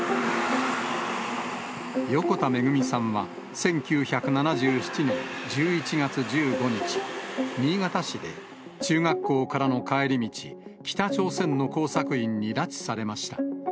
横田めぐみさんは１９７７年１１月１５日、新潟市で中学校からの帰り道、北朝鮮の工作員に拉致されました。